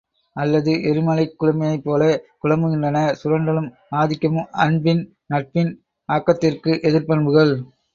அல்லது எரிமலைக் குழம்பினைப் போல குழம்புகின்றன, சுரண்டலும் ஆதிக்கமும் அன்பின் நட்பின் ஆக்கத்திற்கு எதிர்பண்புகள்!